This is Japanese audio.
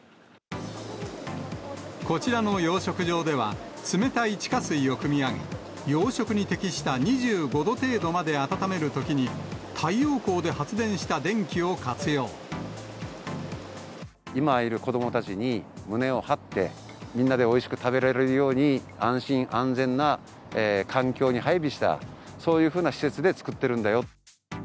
こちらの養殖場では、冷たい地下水をくみ上げ、養殖に適した２５度程度まで温めるときに太陽光で発電した電気を今いる子どもたちに、胸を張って、みんなでおいしく食べられるように、安心安全な環境に配慮した、そういうふうな施設で作ってるん